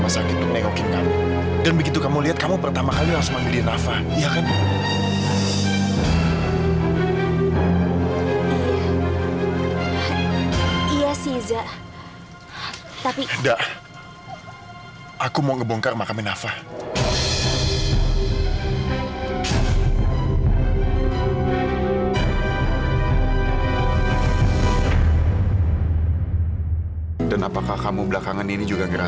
sampai jumpa di video selanjutnya